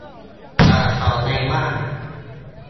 จากของในบ้าน